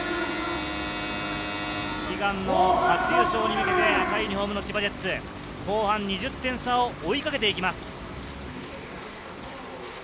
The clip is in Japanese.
悲願の初優勝に向けて赤いユニフォームの千葉ジェッツ、後半２０点差を追いかけていきます。